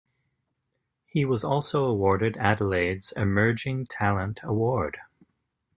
He was also awarded Adelaide's Emerging Talent Award.